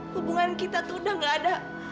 hubungan kita itu udah nggak ada